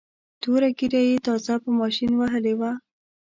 توره ږیره یې تازه په ماشین وهلې وه.